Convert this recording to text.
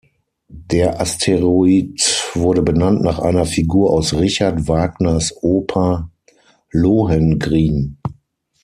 Der Asteroid wurde benannt nach einer Figur aus Richard Wagners Oper "Lohengrin".